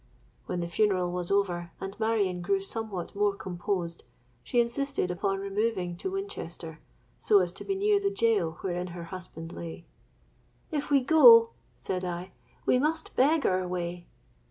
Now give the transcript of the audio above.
When the funeral was over, and Marion grew somewhat more composed, she insisted upon removing to Winchester, so as to be near the gaol wherein her husband lay. 'If we go,' said I, 'we must beg our way.'